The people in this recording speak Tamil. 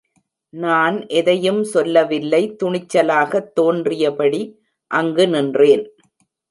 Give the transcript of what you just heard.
நான் எதையும் சொல்லவில்லை, துணிச்சலாகத் தோன்றியபடி அங்கு நின்றேன்.